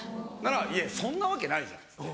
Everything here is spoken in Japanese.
「いえそんなわけないじゃん」っつって。